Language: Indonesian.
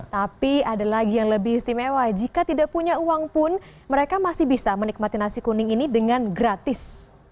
tapi ada lagi yang lebih istimewa jika tidak punya uang pun mereka masih bisa menikmati nasi kuning ini dengan gratis